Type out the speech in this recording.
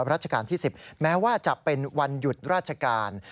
ราชการที่๑๐แม้ว่าจะเป็นวันหยุดราชการ